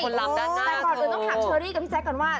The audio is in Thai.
ก่อนก่อนต้องถามเชอรี่กันพี่แจ๊คกันว่า